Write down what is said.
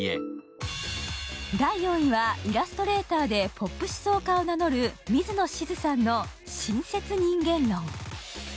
第４位はイラストレーターでポップ思想家を名乗る水野しずさんの「親切人間論」。